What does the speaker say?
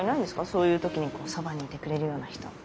そういう時にこうそばにいてくれるような人。